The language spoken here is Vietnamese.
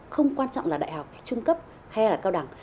không quan trọng là đại học trung cấp hay là cao đẳng